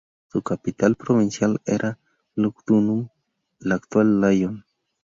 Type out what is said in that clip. Su capital provincial era "Lugdunum", la actual Lyon.